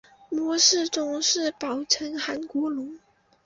模式种是宝城韩国龙。